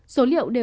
số liệu đều dựa vào